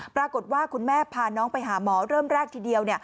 ปรากฏว่าคุณแม่พาน้องไปหาหมอเริ่มแรกทีเดียว